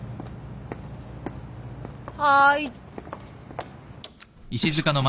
はい。